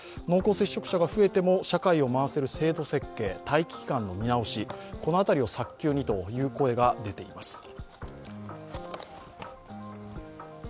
濃厚接触者が増えても社会を回せる制度設計、待機期間の見直し、この辺りを早急にという声が出ています。